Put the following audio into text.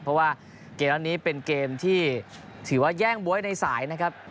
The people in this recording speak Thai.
เพราะว่าเกมนั้นนี้เป็นเกมที่ถือว่าแย่งบ๊วยในสายนะครับ